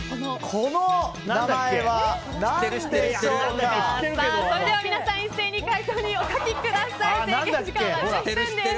それでは皆さん一斉に回答にお書きください。